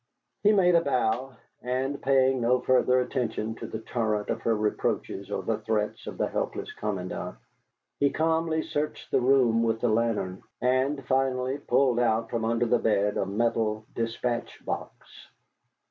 He made a bow, and paying no further attention to the torrent of her reproaches or the threats of the helpless commandant, he calmly searched the room with the lantern, and finally pulled out from under the bed a metal despatch box.